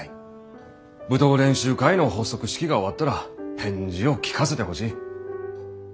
舞踏練習会の発足式が終わったら返事を聞かせてほしい。